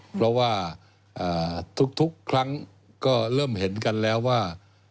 เพราะว่าทุกครั้งก็เริ่มเห็นกันแล้วว่า